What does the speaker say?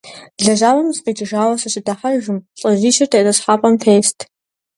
ЛэжьапӀэ сыкъикӀыжауэ сыщыдыхьэжым, лӏыжьищыр тетӀысхьэпӀэм тест.